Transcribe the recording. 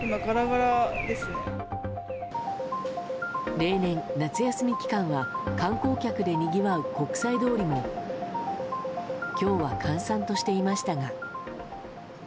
例年、夏休み期間は観光客でにぎわう国際通りも今日は閑散としていましたが。